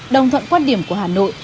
đồng thuận quan điểm của hà nội